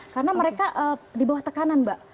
karena mereka di bawah tekanan mbak